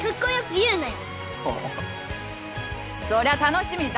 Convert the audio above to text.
そりゃ楽しみだ。